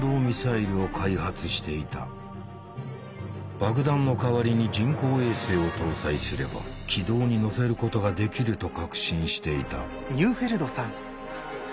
爆弾の代わりに人工衛星を搭載すれば軌道に乗せることができると確信していた。